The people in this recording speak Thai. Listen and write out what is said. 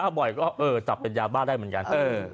บ่อยก็เออจับเป็นยาบ้าได้เหมือนกัน